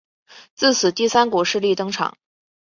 自此第三股势力登场。